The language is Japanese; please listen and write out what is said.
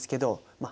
まあ